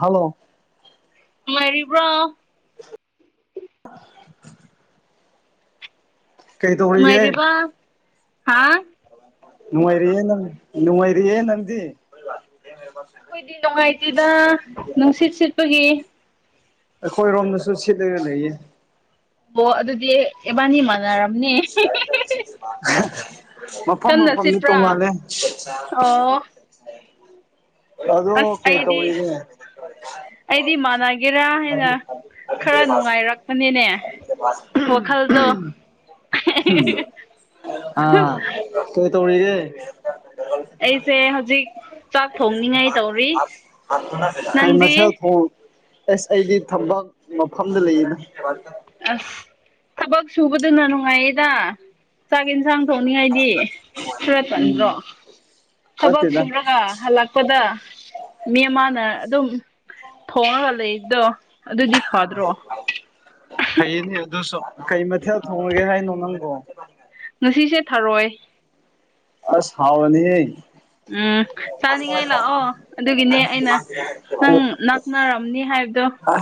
Hello ꯃꯔꯤꯕ꯭ꯔꯣ ꯑ ꯀꯩꯗꯣ ꯍꯏꯒ ꯍꯥꯥ ꯅꯨꯡꯉꯥꯏꯔꯤ ꯅꯅꯨꯡꯥꯏꯔꯤ ꯌꯦ ꯅꯗꯤ ꯑꯩꯈꯣꯏꯗꯤ ꯅꯣꯡꯉꯥꯏꯇꯤꯗ ꯅꯨꯡꯁꯤꯠ ꯁꯤꯠꯄꯒꯤ ꯑꯩꯈꯣꯏꯔꯣꯝꯗꯁꯨ ꯁꯤꯠꯂꯒ ꯂꯩꯌꯦ ꯑꯣꯣ ꯑꯗꯨꯗꯤ ꯏꯕꯥꯅꯤ ꯃꯥꯟꯅꯔ [unintelligible] ꯃꯐꯝ ꯀꯟꯅ ꯃꯐꯝꯗꯤ ꯁꯤꯠꯄ꯭ꯔꯥ ꯇꯣꯡꯉꯥꯜꯂꯦ ꯑꯣ ꯑꯗꯣ ꯑꯁ ꯀꯦ ꯑꯩꯗꯤ ꯇꯧꯅꯦ ꯑꯩꯗꯤ ꯃꯥꯟꯅꯒꯦꯔꯥ ꯍꯥꯏꯅ ꯈꯔ ꯅꯨꯡꯉꯥꯏꯔꯛꯄꯅꯤꯅꯦ ꯋꯥꯈꯜꯗꯣ [unintelligible] ꯑꯥ ꯇꯨ ꯇꯧꯔꯤꯗꯦ ꯑꯩꯁꯦ ꯍꯧꯖꯤꯛ ꯆꯥꯛ ꯊꯣꯡꯅꯤꯡꯉꯥꯏ ꯇꯧꯔꯤ ꯀꯩꯅꯃꯁꯦ ꯅꯪꯗꯤ ꯊꯣꯡ ꯑꯦꯁ ꯑꯩꯗꯤ ꯊꯝꯕꯥꯄꯥꯛ ꯃꯐꯝꯗ ꯂꯩꯌꯦꯅꯦ ꯑꯁ ꯊꯕꯛ ꯁꯨꯕꯗꯨꯅ ꯅꯨꯡꯉꯥꯏꯌꯦꯗ꯫ ꯆꯥꯛ ꯌꯦꯟꯁꯥꯡ ꯊꯣꯡꯅꯤꯡꯉꯥꯏꯗꯤ ꯈꯔ ꯇꯟꯗ꯭ꯔꯣ꯫ ꯎꯝ ꯊꯕꯛ ꯅꯠꯇꯦꯗ ꯁꯨꯔꯒ ꯍꯜꯂꯛꯄꯗ ꯃꯤ ꯑꯃꯅ ꯑꯗꯨꯝ ꯊꯣꯡꯉꯒ ꯂꯩꯗꯣ ꯐꯩꯅꯦ ꯑꯗꯨꯁꯣ ꯀꯩ ꯃꯊꯦꯜ ꯊꯣꯡꯉꯒꯦ ꯍꯥꯏꯅꯣ ꯅꯪꯗꯣ ꯑꯁꯤꯁꯦ ꯊꯥꯔꯣꯏ꯫ ꯑꯁ ꯍꯥꯎꯔꯅꯤ ꯍꯦ꯫ ꯎꯝ ꯆꯥꯅꯤꯡꯉꯥꯏ ꯂꯥꯛꯑꯣ ꯑꯗꯨꯒꯤꯅꯦ ꯑꯩꯅ ꯅꯪ ꯅꯛꯅꯔꯝꯅꯤ ꯍꯥꯏꯕ ꯑ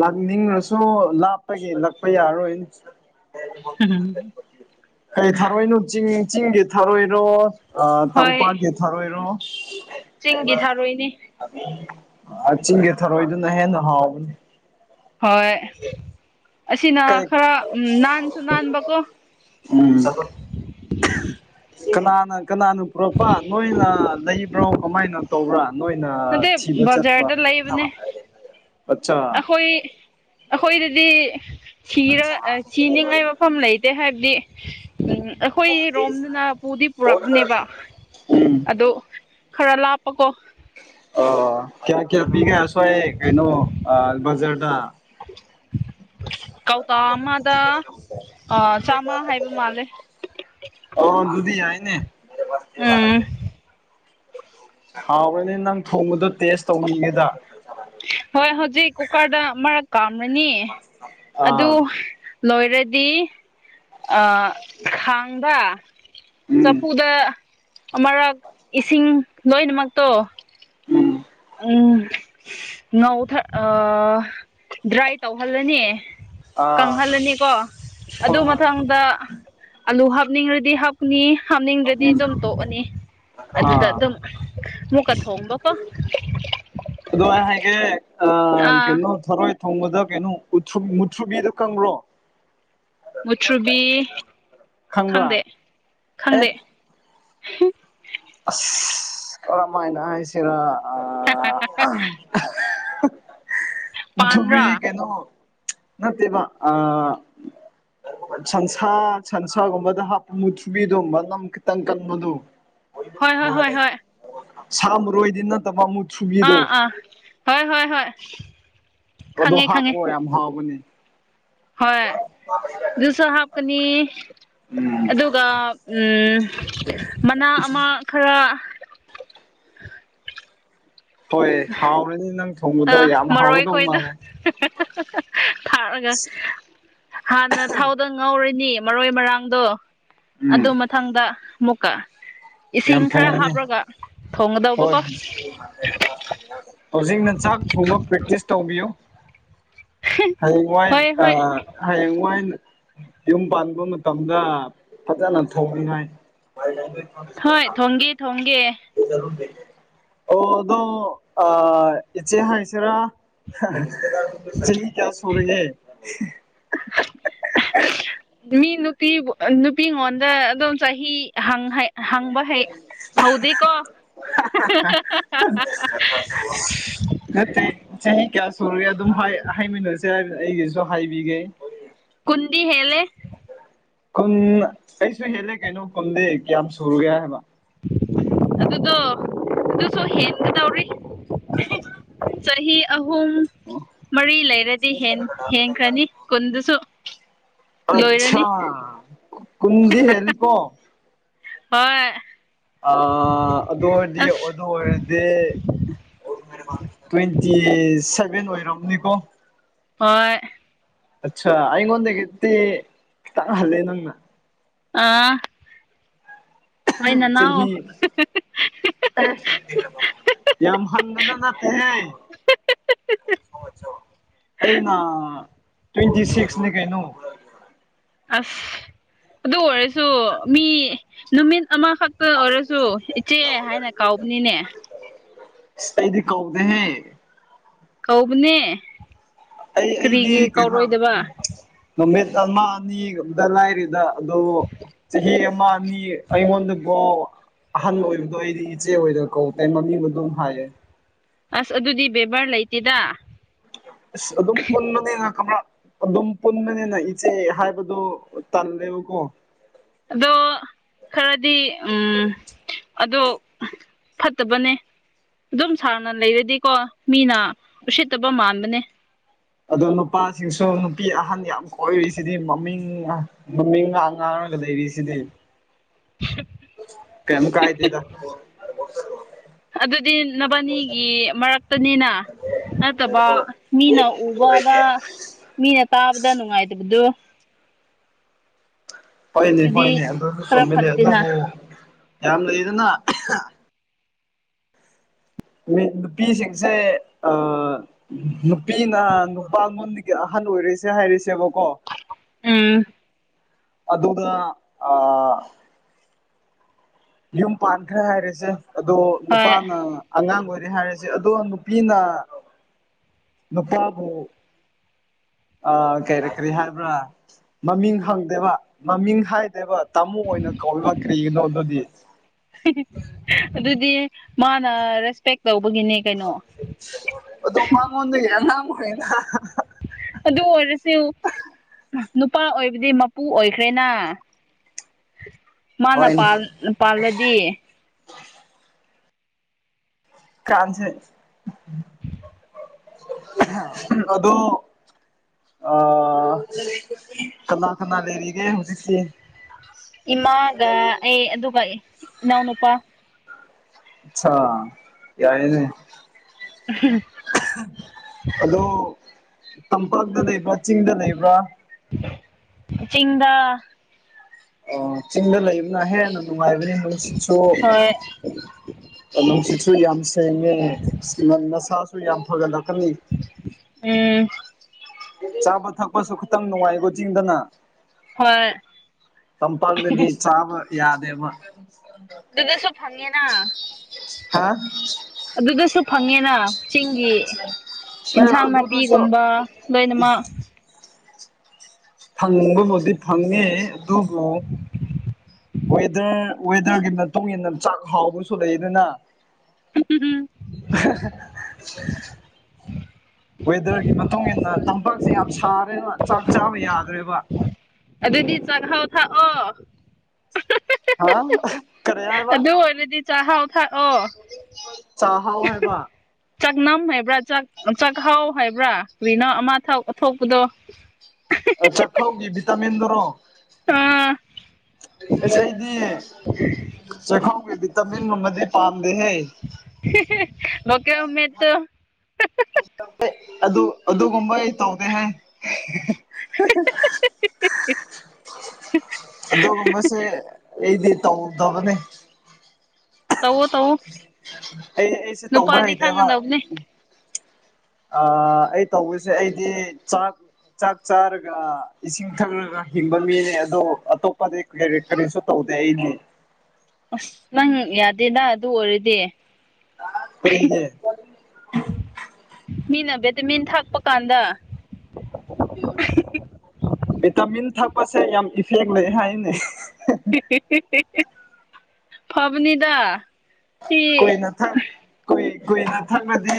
ꯂꯥꯛꯅꯤꯡꯉꯁꯨ ꯂꯥꯞꯄꯒꯤ ꯂꯛꯄ ꯌꯥꯔꯣꯏꯅ꯫ ꯀꯩ ꯊꯥꯔꯣꯏꯅꯣ ꯆꯤꯡ ꯆꯤꯡꯒꯤ ꯊꯥꯔꯣꯏꯔꯣ꯫ ꯑ ꯍꯣꯏ ꯇꯝꯄꯥꯛ ꯀꯤ ꯊꯥꯔꯣꯏꯔꯣ꯫ ꯆꯤꯡꯒꯤ ꯊꯥꯔꯣꯏꯅꯤ꯫ ꯑ ꯆꯤꯡꯒꯦ ꯊꯔꯣꯏꯗꯨꯅ ꯍꯦꯟ ꯅ ꯍꯥꯎꯕꯅꯦ꯫ ꯍꯣꯏ ꯑꯁꯤꯅ ꯀꯩ ꯈꯔ ꯅꯥꯟꯁꯨ ꯅꯥꯟꯕꯀꯣ ꯎꯝ [unintelligible] ꯀꯅꯥꯅ ꯀꯅꯥꯅꯣ ꯄꯨꯔꯛꯄ ꯅꯣꯏꯅ ꯂꯩꯕ꯭ꯔꯣ ꯀꯃꯥꯏꯅ ꯇꯧꯕ꯭ꯔꯥ꯫ ꯅꯣꯏꯅ ꯅꯠꯇꯦ ꯊꯤꯕ ꯆꯠꯄ ꯕꯖꯥꯔꯗ ꯂꯩꯕꯅꯦ [unintelligible] ꯑꯆꯥ ꯑꯩꯈꯣꯏ ꯑꯩꯈꯣꯏꯗꯗꯤ ꯁꯤꯔ ꯁꯤꯅꯤꯡꯉꯥꯏ ꯃꯐꯝ ꯂꯩꯇꯦ ꯍꯥꯏꯕꯗꯤ ꯎꯝ ꯑꯩꯈꯣꯏ ꯔꯣꯝꯗꯨꯅ ꯄꯨꯗꯤ ꯄꯨꯔꯛꯄꯅꯦꯕ ꯎꯝ ꯑꯗꯨꯛ ꯈꯔ ꯂꯥꯞꯄꯀꯣ꯫ ꯑꯣ ꯀꯌꯥ ꯀꯌꯥ ꯄꯤꯒ ꯑꯁꯨꯋ ꯀꯩꯅꯣ ꯕꯖ꯭ꯔꯗ꯫ ꯀꯧꯇ ꯑꯃꯗ ꯑ ꯆꯥꯃ ꯍꯥꯏꯕ ꯃꯥꯜꯂꯦ꯫ ꯑꯣ ꯎꯝ [unintelligible] ꯍꯥꯎꯕꯅꯦ ꯅꯪ ꯊꯣꯡꯕꯗꯣ ꯇꯦꯁ ꯇꯧꯅꯤꯡꯒꯦꯗ꯫ ꯍꯣꯏ ꯍꯧꯖꯤꯛ ꯀꯨꯀꯔꯗ ꯃꯔꯛ ꯀꯥꯝꯔꯅꯤ ꯑꯗꯨ ꯑꯥ ꯂꯣꯏꯔꯗꯤ ꯑ ꯈꯥꯡꯕ꯫ ꯎꯝ ꯆꯐꯨꯗ ꯑꯃꯔꯛ ꯏꯁꯤꯡ ꯂꯣꯏꯅꯃꯛꯇꯣ ꯎꯝ ꯎꯝ ꯉꯧ ꯑꯥ ꯗ꯭ꯔꯥꯏ ꯇꯧꯍꯜꯂꯅꯤ꯫ ꯑꯥ ꯀꯪꯍꯜꯂꯅꯤꯀꯣ ꯑꯗꯨ ꯍꯣꯏ ꯍꯣꯏ ꯃꯊꯪꯗ ꯑꯂꯨ ꯍꯞ ꯄꯨꯛꯅꯤꯡꯑꯗꯤ ꯍꯞꯀꯅꯤ꯫ ꯍꯥꯞꯅꯤꯡꯗ꯭ꯔꯗꯤ ꯎꯝ ꯑꯗꯨꯝ ꯇꯣꯛꯑꯅꯤ ꯑꯗꯨꯗ ꯑꯥ ꯑꯗꯨꯝ ꯃꯨꯛꯀ ꯊꯣꯡꯕꯀꯣ꯫ ꯑꯗꯨ ꯍꯦ ꯑꯥ ꯑꯅꯣ ꯊꯣꯔꯣ ꯊꯣꯡꯕꯗ ꯀꯩꯅꯣ ꯎꯊꯨꯔ ꯃꯨꯊ꯭ꯔꯨꯕꯤꯗꯨ ꯀꯪꯕ꯭ꯔꯣ꯫ ꯃꯨꯊ꯭ꯔꯨꯕꯤ ꯈꯪꯕ꯭ꯔꯥ ꯈꯪꯗꯦ ꯑꯦ ꯈꯪꯗꯦ꯫ ꯀꯔꯃꯥꯏꯅ ꯍꯥꯏꯁꯤꯔꯥ ꯑ ꯃꯨꯊꯨꯕ꯭ꯔꯤ ꯄꯥꯟꯔꯥ ꯀꯩꯅꯣ ꯅꯠꯇꯦꯕ ꯑ ꯁꯟꯁꯥ ꯁꯟꯁꯥꯒꯨꯝꯕꯗ ꯍꯥꯞꯄꯨ ꯃꯨꯊꯨꯕꯤꯗꯣ ꯅꯝ ꯈꯤꯇꯪ ꯀꯟꯕꯗꯣ꯫ ꯍꯣꯏ ꯍꯣꯏ ꯍꯣꯏ ꯍꯣꯏ ꯁꯥꯝꯔꯣꯏꯗꯤ ꯅꯠꯇꯕ ꯃꯨ ꯑꯥ ꯑꯥ ꯍꯣꯏ ꯍꯣꯏ ꯍꯣꯏ꯫ ꯑꯗꯣ ꯈꯪꯉꯦ ꯈꯪꯉꯦ ꯍꯥꯞꯄꯣ ꯌꯥꯝ ꯍꯥꯥꯎꯕꯅꯤ꯫ ꯍꯣꯏ ꯑꯗꯨꯁꯨ ꯍꯥꯞꯀꯅꯤ꯫ ꯎꯝ ꯑꯗꯨꯒ ꯎꯝ ꯃꯅꯥ ꯑꯃ ꯈꯔ [unintelligible] ꯍꯣꯏ ꯍꯥꯎꯔꯅꯤ ꯅꯪ ꯊꯣꯡꯕꯗꯣ ꯌꯥꯝ ꯍꯥꯎꯒꯗꯧ ꯃꯥꯜꯂꯦ꯫ [unintelligible] ꯊꯥꯔꯒ ꯍꯥꯟꯅ ꯊꯥꯎꯗ ꯉꯥꯎꯔꯦ ꯑꯅꯤ ꯃꯔꯣꯏ ꯃꯔꯥꯡꯗꯣ ꯑꯗꯨ ꯎꯝ ꯃꯊꯪꯗ ꯑꯃꯨꯛꯀ ꯏꯁꯤꯡ ꯌꯥꯝ ꯈꯔ ꯐꯩꯅꯦ ꯍꯥꯞꯂꯒ ꯍꯣꯏ ꯊꯣꯡꯒꯗꯧꯕꯀꯣ ꯍꯧꯖꯤꯛꯅ ꯆꯥꯛ ꯊꯣꯡꯕ ꯄ꯭ꯔꯦꯛꯇꯤꯁ ꯇꯧꯕꯤꯌꯨ ꯍꯌꯦꯡ ꯋꯥꯏꯟ ꯍꯣꯏ ꯑ ꯍꯣꯏ ꯍꯌꯦꯡ ꯋꯥꯏꯟ ꯌꯨꯝ ꯄꯥꯟꯕ ꯃꯇꯝꯗ ꯐꯖꯅ ꯊꯧꯅꯤꯉꯥꯏ ꯍꯣꯏ ꯊꯣꯡꯒꯦ ꯊꯣꯡꯒꯦ ꯔꯨꯔ ꯂꯩꯦꯦ ꯑꯣꯗꯣ ꯑ ꯏꯆꯦ ꯍꯥꯁꯔ ꯆꯍꯤ ꯀꯌꯥ ꯁꯔꯦ ꯃꯤ ꯅꯨꯄꯤ ꯅꯨꯄꯤꯉꯣꯟꯗ ꯑꯗꯨꯝ ꯆꯍꯤ ꯍꯪ ꯍꯥꯏ ꯍꯪꯕ ꯍꯩ ꯍꯥꯎꯗꯤ ꯀꯣ [unintelligible] ꯅꯠꯇꯦ ꯆꯍꯤ ꯀꯌꯥ ꯁꯨꯔꯒꯦ ꯑꯗꯨꯝ ꯍꯥꯏꯃꯤꯟꯅꯔꯁꯦ ꯍꯥꯏꯗꯅ ꯑꯩꯒꯤꯁꯨ ꯍꯥꯏꯕꯤꯒꯦ ꯀꯨꯟꯗꯤ ꯍꯦꯂꯦ ꯀꯨꯟ ꯑꯩꯁꯨ ꯍꯦꯜꯂꯦ ꯀꯩꯅꯣ ꯀꯨꯟꯗꯤ ꯀꯌꯥꯝ ꯁꯨꯔꯨꯒꯦ ꯍꯥꯏꯕ ꯑꯗꯨꯗꯣ ꯑꯗꯨꯁꯨ ꯍꯦꯟꯒꯗꯧꯔꯤ ꯆꯍꯤ ꯑꯍꯨꯝ ꯃꯔꯤ ꯂꯩꯔꯗꯤ ꯍꯦꯟꯈ꯭ꯔꯅꯤ ꯀꯨꯟꯗꯨꯁꯨ ꯂꯣꯏꯔꯅꯤ ꯑꯆꯥꯥ ꯀꯟꯗꯤ ꯍꯦꯅꯤꯀꯣ ꯍ ꯑ ꯑꯗꯨ ꯑꯣꯏꯔꯗꯤ ꯑꯗꯨ ꯑꯣꯏꯔꯗꯤ ꯇ꯭ꯋꯦꯟꯇꯤ ꯁꯚꯦꯟ ꯑꯣꯏꯔꯝꯅꯤꯀꯣ ꯍꯣꯏ ꯑꯆꯥ ꯑꯩꯣꯟꯗꯦ ꯀꯦꯦꯜꯂꯦ ꯅꯪꯅ ꯑꯥ ꯍꯣꯏ ꯅꯅꯥꯎ ꯆꯍꯤ ꯌꯥꯝ ꯍꯪꯒꯅ ꯅꯅꯥꯠꯇ ꯑꯩꯅ ꯇ꯭ꯋꯦꯟꯇꯤ ꯁꯤꯛꯁꯅꯤ ꯀꯩꯅꯣ ꯑꯁ ꯑꯗꯨ ꯑꯣꯏꯔꯁꯨ ꯃꯤ ꯅꯨꯃꯤꯠ ꯑꯃꯈꯛꯇ ꯑꯣꯏꯔꯁꯨ ꯏꯆꯦ ꯍꯥꯏꯅ ꯀꯥꯎꯕꯅꯤꯅꯦ ꯑꯩꯗꯤ ꯀꯧꯗꯍꯦ ꯀꯧꯕꯅꯦ ꯑꯩ ꯑꯩꯗꯤ ꯀꯔꯤꯒꯤ ꯀꯩꯅꯣ ꯀꯧꯔꯣꯏꯗꯕ ꯅꯨꯃꯤꯠ ꯑꯜꯃꯥ ꯑꯅꯤ ꯑꯝꯇ ꯂꯥꯏꯔꯤꯦꯗ ꯑꯗꯨ ꯆꯍꯤ ꯑꯃ ꯑꯅꯤ ꯑꯩꯉꯣꯟꯗ ꯥꯎ ꯑꯍꯥꯟꯕ ꯑꯣꯏꯕꯗꯣ ꯑꯩꯗꯤ ꯏꯆꯦ ꯑꯣꯏꯗ ꯀꯧꯗꯦ ꯃꯃꯤꯡꯕꯨ ꯑꯗꯨꯝ ꯍꯥꯏꯌꯦ ꯑꯁ ꯑꯗꯨꯗꯤ ꯕꯦꯕꯥꯔ ꯂꯩꯇꯦꯗ ꯑꯗꯨꯝ ꯄꯨꯟꯅꯅꯤꯉ ꯀ ꯑꯗꯨꯝ ꯄꯨꯟꯕꯅꯤꯅ ꯏꯆꯦ ꯍꯥꯏꯕꯗꯨꯣ ꯇꯜꯂꯦꯕꯀꯣ ꯑꯗꯣ ꯈꯔꯗꯤ ꯎꯝ ꯑꯗꯣ ꯐꯠꯇꯕꯅꯦ ꯑꯗꯨꯝ ꯁꯥꯡꯅ ꯂꯩꯔꯗꯤꯀꯣ ꯃꯤꯅ ꯎꯁꯤꯠꯇꯕ ꯃꯥꯟꯕꯅꯦ ꯑꯗ ꯅꯨꯄꯥꯁꯤꯡꯁꯨ ꯅꯨꯄꯤ ꯑꯍꯟ ꯌꯥꯝ ꯀꯣꯏꯔꯤꯁꯤꯗꯤ ꯃꯃꯤꯡ ꯃꯃꯤꯡ ꯉꯥꯡ ꯉ ꯒꯗꯕꯤꯁꯤꯗ ꯀꯩꯃ ꯀꯥꯏꯗꯦꯗ ꯠꯇꯅꯤꯅ ꯅꯠꯇꯕ ꯃꯤꯅ ꯎꯕꯗ ꯃꯤꯅ ꯇꯥꯕꯗ ꯅꯨꯡꯉꯥꯏꯇꯕꯗꯨ ꯍꯣꯏꯅꯦ ꯑꯗꯨꯗꯤ ꯍꯣꯏꯅꯦ ꯑꯗꯨꯁꯨ ꯈꯔ ꯆꯨꯝꯃꯤꯂ ꯐꯠꯇꯦꯅ ꯑꯗꯨꯕꯨ ꯌꯥꯝ ꯂꯩꯗꯅ ꯅꯨꯄꯤꯁꯤꯡꯁꯦ ꯅꯨꯄꯤꯅ ꯅꯨꯄꯥꯉꯣꯟꯗꯒꯤ ꯑꯍꯜ ꯑꯣꯏꯔꯤꯁ ꯍ ꯍꯥꯏꯔꯤꯁꯤ ꯎꯝ ꯑꯗꯨꯅ ꯑ ꯌꯨꯝ ꯄꯥꯟꯈ꯭ꯔꯦ ꯍꯥꯏꯔꯦꯁꯦ ꯑꯗꯣ ꯍꯣꯏ ꯅꯨꯄꯥꯅ ꯑꯉꯥꯡ ꯑꯣꯏ ꯍꯥꯏꯔꯁꯦ ꯑꯗꯣ ꯅꯨꯄꯤꯅ ꯅꯨꯄꯥꯕꯨ ꯑ ꯀꯔꯤ ꯀꯔꯤ ꯍꯥꯏꯕ꯭ꯔꯥ ꯃꯃꯤꯡ ꯍꯪꯗꯦꯕ ꯃꯃꯤꯡ ꯍꯥꯏꯗꯦꯕ ꯇꯥꯃꯣ ꯑꯣꯏꯅ ꯀꯧꯔꯤꯕ ꯀ꯭ꯔꯤꯒꯤꯅꯣ ꯑꯗꯨꯗꯤ ꯑꯗꯨꯗꯤ ꯃꯥꯅ ꯔꯦꯁꯄꯦꯛ ꯇꯧꯕꯒꯤꯅꯦ ꯀꯩꯅꯣ ꯑꯗꯣ ꯃꯥꯡꯉꫭꯟꯗꯒꯤ ꯑꯉꯥꯡ ꯑꫭꯏꯅ ꯑꯗꯨ ꯑꯣꯏꯔꯁꯨ ꯅꯨꯄꯥ ꯑꯣꯏꯕꯗꯤ ꯃꯄꯨ ꯑꯣꯏꯈ꯭ꯔꯦꯅ ꯃꯥꯅ ꯍꯣꯏꯅꯦ ꯄꯥꯟ ꯄꯥꯜꯂꯗꯤ ꯀꯥꯟꯁꯦ ꯑꯗꯨ ꯑ ꯀꯅꯥ ꯀꯅꯥ ꯂꯩꯔꯤꯒꯦ ꯍꯧꯖꯤꯛꯁꯤ ꯏꯃꯥꯒ ꯑꯩ ꯑꯗꯨꯒ ꯏꯅꯥꯎꯅꯨꯄꯥ ꯑꯠꯁꯥ ꯌꯥꯏꯅꯦ [inaudible] ꯑꯗꯣ ꯇꯝꯄꯥꯛꯇ ꯂꯩꯕ꯭ꯔꯥ ꯆꯤꯡꯗ ꯂꯩꯕ꯭ꯔꯥ ꯆꯤꯡꯗ ꯑꯣ ꯆꯤꯡꯗ ꯂꯩꯕꯅ ꯍꯦꯟꯅ ꯅꯨꯡꯉꯥꯏꯕꯅꯤ ꯅꯨꯡꯁꯤꯠꯁꯨ ꯍꯣꯏ ꯅꯨꯡꯁꯤꯠꯁꯨ ꯌꯥꯝ ꯁꯦꯡꯉꯦ ꯅꯪ ꯅꯁꯥ ꯌꯥꯝ ꯐꯒꯠ ꯂꯛꯀꯅꯤ ꯎꯝ ꯆꯥꯕ ꯊꯛꯄꯁꯨ ꯈꯤꯇꯪ ꯅꯨꯡꯉꯥꯏꯀꯣ ꯆꯤꯡꯗꯅ ꯍꯣꯏ ꯇꯝꯄꯥꯛꯇꯗꯤ ꯆꯥꯕ ꯌꯥꯗꯦꯕ ꯑꯗꯨꯗꯁꯨ ꯐꯪꯉꯦꯅ ꯍꯥꯥ ꯑꯗꯨꯗꯁꯨ ꯐꯪꯉꯦꯅ ꯆꯤꯡꯒꯤ ꯍꯣꯏ ꯏꯟꯁꯥꯡ ꯑꯗꯨꯗꯨꯁꯨ ꯅꯥꯄꯤꯒꯨꯝꯕ ꯂꯣꯏꯅꯃꯛ ꯐꯪꯕꯕꯨꯗꯤ ꯐꯪꯉꯦ ꯑꯗꯨꯕꯨ ꯋꯦꯗꯔ ꯋꯦꯗꯔꯒꯤ ꯃꯇꯨꯡ ꯏꯟꯅ ꯆꯥꯛ ꯍꯥꯎꯕꯁꯨ ꯂꯩꯗꯅ [inaudible] ꯋꯦꯗꯔꯒꯤ ꯃꯇꯨꯡ ꯏꯟꯅ ꯇꯝꯄꯥꯛꯁꯦ ꯌꯥꯝ ꯁꯥꯔꯦꯅ ꯆꯥꯛ ꯆꯥꯕ ꯌꯥꯗ꯭ꯔꯦꯕ ꯑꯗꯨꯗꯤ ꯆꯥꯛꯍꯥꯎ ꯊꯥꯛꯑꯣ ꯍꯥ ꯀꯔꯤ ꯍꯥꯏꯕ ꯑꯗꯨ ꯑꯣꯏꯔꯗꯤ ꯆꯥꯛꯍꯥꯎ ꯊꯥꯛꯑꯣ ꯆꯥꯍꯥꯎ ꯍꯥꯏꯕ ꯆꯥꯛꯅꯝ ꯍꯥꯏꯕ꯭ꯔꯥꯥꯛ ꯆꯥꯛꯍꯥꯎ ꯍꯥꯏꯕ꯭ꯔꯥ ꯀꯔꯤꯅ ꯑꯃ ꯊꯧ ꯊꯣꯛꯄꯗꯣ ꯆꯈꯥꯎꯒꯤ ꯚꯤꯇꯥꯃꯤꯟꯗꯨꯔꯣ ꯑꯥ ꯑꯁ ꯑꯩꯗꯤ ꯆꯥꯍꯥꯎꯒꯤ ꯚꯤꯇꯃꯤꯟ ꯒꯨꯝꯕꯗꯤ ꯄꯥꯝꯗꯦꯍꯦ ꯂꯣꯀꯦꯜ ꯃꯦꯠꯇꯨ ꯑꯗꯨ ꯑꯗꯨꯒꯨꯝꯕ ꯑꯩ ꯇꯧꯗꯦ ꯍꯦ [inaudible] ꯑꯗꯨꯒꯨꯝꯕꯁꯦ ꯑꯩꯗꯤ ꯇꯧꯗꯕꯅꯦ ꯇꯧꯋꯣ ꯇꯧꯋꫭ ꯑꯩ ꯑꯩꯁꯦ ꯇꯧꯕ ꯍꯩꯇꯦꯕ ꯑꯥ ꯑꯩ ꯇꯧꯔꯤꯁꯦ ꯑꯩꯗꯤ ꯆꯥꯛ ꯆꯥꯛ ꯆꯥꯔꯒ ꯏꯁꯤꯡ ꯊꯛꯂꯒ ꯍꯤꯡꯕ ꯃꯤꯅꯦ ꯑꯗꯣ ꯑꯇꯣꯞꯄꯗꯤ ꯀꯔꯤ ꯀꯔꯤꯁꯨ ꯇꯧ ꯗꯩꯅꯦ ꯑꯁ ꯅꯪ ꯌꯥꯗꯦꯗ ꯑꯗꯨ ꯑꯣꯏꯔꯗꯤ ꯑꯇꯩꯗꯤ ꯃꯤꯅ ꯕꯦꯗꯃꯤꯟ ꯊꯛꯄ ꯀꯥꯟꯗ ꯚꯤꯇꯃꯤꯟ ꯊꯛꯄꯁꯦ ꯌꯥꯝ ꯏꯐꯦꯛ ꯂꯩ ꯍꯥꯏꯅꯦ ꯐꯕꯅꯤꯗ ꯁꯤ ꯀꯣꯏꯅ ꯊꯥ ꯀꯣꯏ ꯀꯨꯏꯅ ꯊꯛꯂꯗꯤ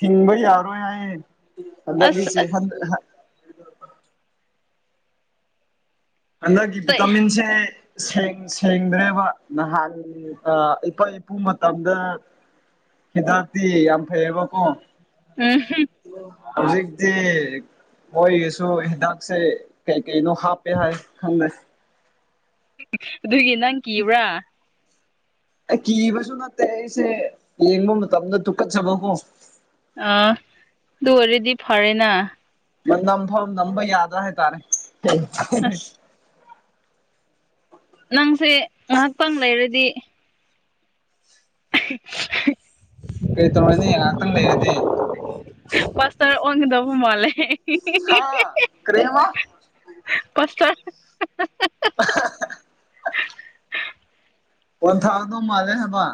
ꯍꯤꯡꯕ ꯌꯥꯔꯣꯏ ꯍꯥꯏ ꯑꯁ ꯍꯟꯗꯛꯀꯤꯁꯦ ꯍꯟ ꯍꯟꯗꯛꯀꯤ ꯕꯤꯇꯥꯃꯤꯟꯁꯦ ꯁꯦꯡ ꯁꯦꯡꯗ꯭ꯔꯦꯕ ꯅꯍꯥꯟ ꯑꯥ ꯑꯩꯈꯣꯏ ꯏꯄꯨ ꯃꯇꯝꯗ ꯍꯤꯗꯛꯇꯤ ꯌꯥꯝ ꯐꯩꯌꯦꯕ ꯀꯣ ꯎꯝ ꯍꯝ ꯍꯧꯖꯤꯛꯇꯤ ꯃꯣꯏꯒꯤꯁꯨ ꯍꯤꯗꯥꯛꯁꯦ ꯀꯩ ꯀꯩꯅꯣ ꯍꯥꯞꯄꯦ ꯍꯥꯏ [inaudible] ꯑꯗꯨꯒꯤ ꯅꯪ ꯀꯤꯕ꯭ꯔꯥ ꯑꯦ ꯀꯤꯕꯁꯨ ꯅꯠꯇꯦ ꯑꯩꯁꯦ ꯌꯦꯡꯕ ꯃꯇꯝꯗ ꯇꯨꯀꯠꯆꯕ ꯍꯣ ꯑꯣ ꯑꯗꯨ ꯑꯣꯏꯔꯗꯤ ꯐꯔꯦꯅ ꯃꯅꯝꯕ ꯐꯥꯎ ꯅꯝꯕ ꯌꯥꯗ ꯍꯥꯏ ꯇꯥꯔꯦ ꯑꯁ ꯅꯪꯁꯦ ꯉꯥꯏꯍꯥꯛ ꯇꯡ ꯂꯩꯔꯗꯤ꯫ ꯑꯥꯏꯁ ꯁꯦ ꯑꯥꯁ ꯀꯩꯇꯧꯅꯤ ꯉꯥꯍꯥꯇꯡ ꯂꯩꯦꯔꯗꯤꯦ꯫ ꯋꯥꯡꯉꯗꯧꯕ ꯃꯥꯜꯂꯦ [inaudible] ꯍꯥꯥ ꯀꯔꯤꯍꯥꯕ ꯄꯥꯁꯇꯔ ꯑꯥꯍꯥ ꯑꯍꯥ ꯕꯣꯜ ꯊꯥꯎꯗꯣ ꯃꯥꯂꯦ ꯍꯥꯏꯕ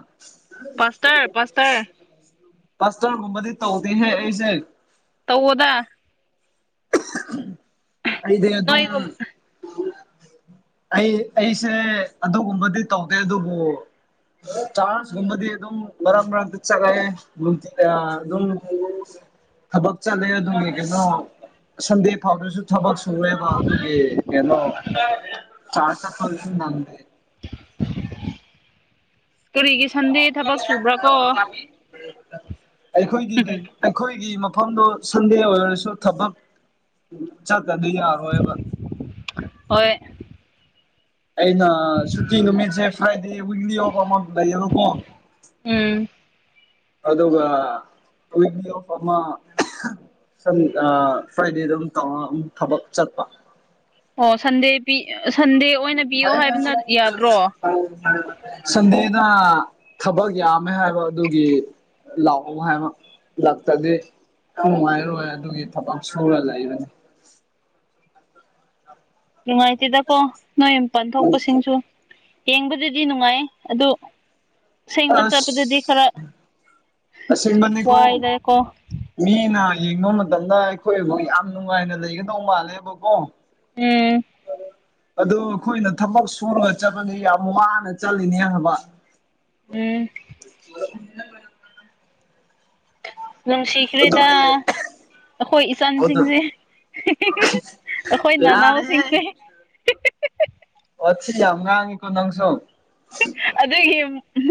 ꯄꯥꯁꯇꯥꯥꯔ ꯄꯥꯁꯇꯥꯥꯔ ꯄꯥꯁꯇꯔꯒꯨꯝꯕꯗꯤ ꯇꯧꯗꯦꯍꯦ ꯑꯩꯁꯦ꯫ ꯇꯧꯑꯣꯗ ꯫ ꯑꯩꯗ ꯑꯗꯨꯝ꯫ ꯅꯣꯏꯒꯨꯝ ꯑꯩ ꯑꯩꯁꯦ ꯑꯗꯨꯒꯨꯝꯕꯗꯤ ꯇꯧꯗꯦ ꯑꯗꯨꯕꯨ꯫ ꯆꯥꯁ ꯃꯗꯤ ꯑꯗꯨꯝ ꯃꯔ ꯃꯔꯔꯝ ꯇ ꯆꯒꯥꯏ ꯑꯗꯨ ꯑꯗꯨꯝ ꯊꯕꯛ ꯆꯠꯂꯦ ꯑꯗꯨꯅꯦ ꯀꯩꯅꯣ ꯁꯟꯗꯦ ꯐꯥꯎꯕꯗꯁꯨ ꯊꯕꯛ ꯁꯨꯔꯦꯕ ꯑꯗꯨꯒꯤ ꯀꯩꯅꯣ ꯆꯔ ꯆꯠ ꯅꯦ ꯇꯣꯔꯤꯒꯤ ꯁꯟꯗꯦ ꯊꯕꯛ ꯁꯨꯕ꯭ꯔꯥ ꯀꯣ ꯑꯩꯈꯣꯏꯒꯤ ꯑꯩꯈꯣꯏꯒꯤ ꯃꯐꯝꯗꯨ ꯁꯟꯗꯦ ꯑꯣꯏꯔꯁꯨ ꯊꯕꯛ ꯀꯗꯤ ꯌꯥ ꯍꯌꯦ ꯍꯣꯏ ꯑꯩꯅ ꯁꯨꯇꯤ ꯅꯨꯃꯤꯠꯦ ꯐ꯭ꯔꯥꯏꯦꯋꯤꯂꯤꯔ ꯀꯣ ꯎꯝ ꯑꯗꯨꯒꯃ ꯁꯟ ꯐ꯭ꯔꯥꯏꯗꯦꯗ ꯑꯗꯨꯝ ꯇ ꯊꯕꯛ ꯆꯠꯄ ꯑꯣ ꯁꯟꯗꯦ ꯁꯟꯗꯦ ꯑꯣꯏꯅ ꯄꯤꯌꯣ ꯍꯥꯏꯕꯅ ꯌꯥꯗ꯭ꯔꯣ ꯁꯗꯦ ꯑꯩꯅ ꯊꯕꯛ ꯌꯥꯝꯃꯦ ꯍꯥꯏꯕ ꯑꯗꯨꯒꯤ꯫ ꯂꯑꯣ ꯍꯥꯏ ꯂꯥꯛꯇꯥꯗ ꯅꯨꯡꯉꯥꯏꯔꯣꯏ ꯑꯗꯨꯒꯤ ꯊꯕꯛ ꯁꯨꯔ ꯂꯩꯕꯅꯤ꯫ ꯅꯨꯡꯉꯥꯏꯇꯦꯗꯀꯣ ꯅꯣꯏ ꯃꯄꯥꯟ ꯊꯣꯛꯄꯁꯤꯡꯁꯨ꯫ ꯌꯦꯡꯕꯗꯗꯤ ꯅꯨꯡꯉꯥꯏ ꯑꯗꯨ ꯁꯦꯡꯕ ꯑꯁ ꯆꯠꯄꯗꯗꯤ ꯈꯔꯥ ꯋꯥꯗꯥꯏꯀꯣ ꯑꯩꯅ ꯌꯦꯡꯕ ꯃꯇꯝꯗ ꯑꯩꯈꯣꯏꯕꯨ ꯌꯥꯝ ꯅꯨꯡꯉꯥꯏꯅ ꯂꯩꯒꯗꯧ ꯃꯥꯜꯂꯦꯕꯀꯣ ꯎꯝ ꯑꯗꯨ ꯑꯩꯈꯣꯏꯅ ꯊꯕꯛ ꯁꯨꯔꯒ ꯆꯠꯄꯅꯦ ꯌꯥꯝ ꯋꯥꯅ ꯆꯠꯂꯤꯅꯦ ꯍꯥꯏꯕ ꯎꯝ ꯅꯨꯡꯁꯤꯈ꯭ꯔꯦꯗ ꯑꯗꯨꯒꯤ ꯑꯩꯈꯣꯏ ꯑꯗꯨ ꯏꯆꯟꯁꯤꯡꯁꯦ꯫ ꯑꯩꯈꯣꯏ ꯌꯥꯔꯦꯍꯦ ꯅꯅꯥꯎꯁꯤꯡꯁꯦ꯫ ꯋꯥꯁꯤ ꯉꯥꯡꯉ ꯀꯣ ꯅꯪꯁꯨ꯫ ꯑꯗꯨꯒꯤ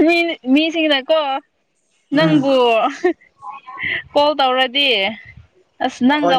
ꯃꯤ ꯃꯤꯁꯤꯡꯅꯀꯣ꯫ ꯎꯝ ꯅꯪꯕꯨ ꯀꯣꯜ ꯇꯧꯔꯗꯤ ꯑꯁ ꯍꯣꯏꯅꯦ ꯅꯪꯒ꯫